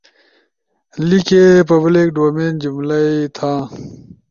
لیکے، بلک ڈومین جملہ ئی تھا